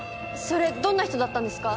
それどんな人だったんですか？